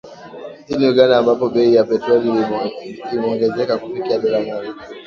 Nchini Uganda ambapo bei ya petroli imeongezeka kufikia dola mmoja